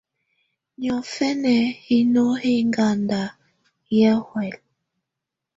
Niɔ́fɛnɛ hinó hɛ́ ɛŋgada yɛ́ huɛ́lɛ.